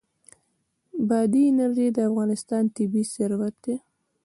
بادي انرژي د افغانستان طبعي ثروت دی.